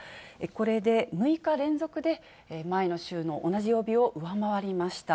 これで６日連続で、前の週の同じ曜日を上回りました。